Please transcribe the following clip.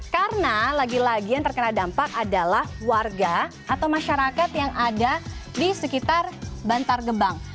karena lagi lagi yang terkena dampak adalah warga atau masyarakat yang ada di sekitar bantar gebang